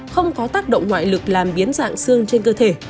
không có tác động ngoại lực làm biến dạng xương trên cơ thể